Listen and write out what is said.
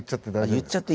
言っちゃって。